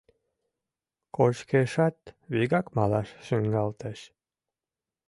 Кочкешат, вигак малаш шуҥгалтеш.